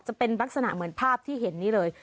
จะเป็นลักษณะเหมือนภาพที่เห็นนี้เลย